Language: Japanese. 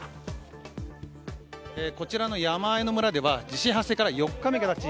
こちらの山あいの村では地震発生から４日目が経ち